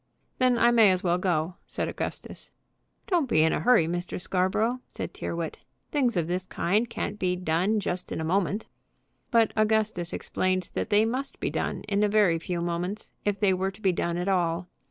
"Then I may as well go," said Augustus. "Don't be in a hurry, Mr. Scarborough," said Tyrrwhit. "Things of this kind can't be done just in a moment." But Augustus explained that they must be done in a very few moments, if they were to be done at all.